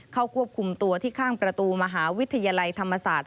เข้าควบคุมตัวที่ข้างประตูมหาวิทยาลัยธรรมศาสตร์